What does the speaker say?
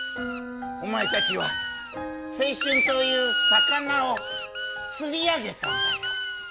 お前たちは、青春という魚を釣り上げたんだよ。